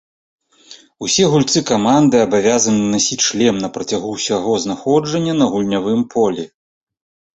Усе гульцы каманды абавязаны насіць шлем на працягу ўсяго знаходжання на гульнявым полі.